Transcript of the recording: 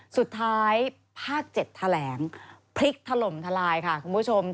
สุดท้ายภาค๗แถลงพลิกถล่มทลายค่ะคุณผู้ชม